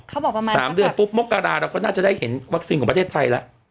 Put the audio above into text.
ประมาณ๓เดือนปุ๊บมกราเราก็น่าจะได้เห็นวัคซีนของประเทศไทยแล้ว